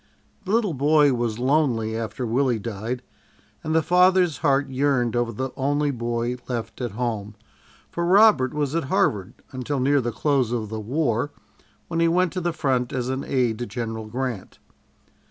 The little boy was lonely after Willie died, and the father's heart yearned over the only boy left at home, for Robert was at Harvard until near the close of the war, when he went to the front as an aide to General Grant.